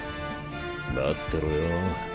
待ってろよ。